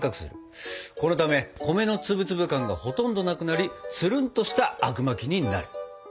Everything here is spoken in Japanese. このため米の粒々感がほとんどなくなりつるんとしたあくまきになる。